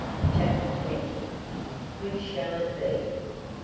CHAPTER XX. Which Shall It Be?